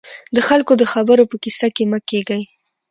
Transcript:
د خلکو د خبرو په کيسه کې مه کېږئ.